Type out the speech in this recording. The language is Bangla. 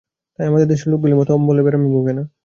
তাই আমাদের দেশের লোকগুলোর মত অম্বলের ব্যারামে ভোগে না।